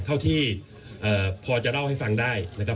เท่าที่พอจะเล่าให้ฟังได้นะครับ